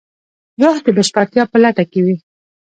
روح د بشپړتیا په لټه کې وي.